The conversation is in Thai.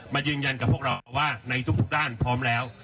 ยืนยันกับพวกเราว่าในทุกด้านพร้อมแล้ว